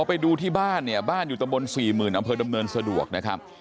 พอไปดูที่บ้านเนี่ยบ้านอยู่ตรงบน๔๐๐๐๐อำเภอดำเนินสะดวกนะครับ